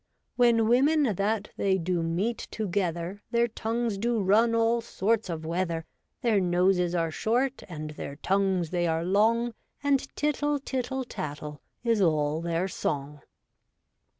' When women that they do meet together, Their tongues do run all sorts ofiveather, Their noses are short, and their tongues they are long. And tittle, tittle, tattle is all their song.